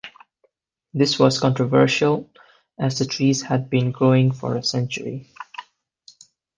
This was controversial, as the trees had been growing for a century.